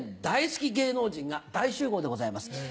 大好き芸能人が大集合でございます。